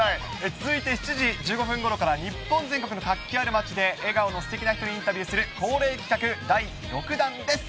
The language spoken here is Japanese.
続いて、７時１５分ごろから日本全国の活気ある街で笑顔のすてきな人にインタビューする恒例企画第６弾です。